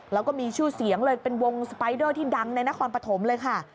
แล้วก็มีชื่อเสียงเลยเป็นวงสไปเดอร์ที่ดังในนครปฐมเลยค่ะ